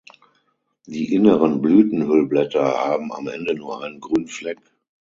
Die inneren Blütenhüllblätter haben am Ende nur einen grünen Fleck.